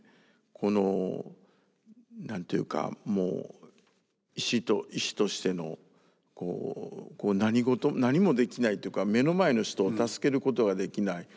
この何というかもう医師として何もできないというか目の前の人を助けることができない。